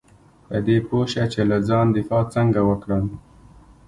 په دې پوه شه چې له ځان دفاع څنګه وکړم .